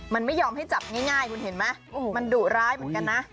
มันไม่ยอมให้จับง่ายคุณเห็นไหมมันดุร้ายเหมือนกันนะ